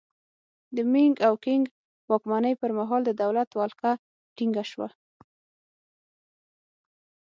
د مینګ او کینګ واکمنۍ پرمهال د دولت ولکه ټینګه شوه.